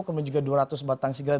kemudian juga dua ratus batang sigal